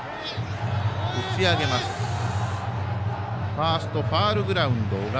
ファーストファウルグラウンド小川。